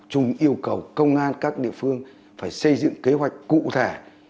chúng yêu cầu công an các địa phương phải xây dựng kế hoạch cụ thể